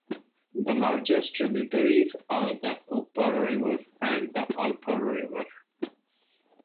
The largest tributaries are the Okpara River and the Alpouro River.